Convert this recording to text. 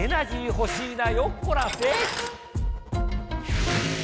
ほしいなよっこらせ。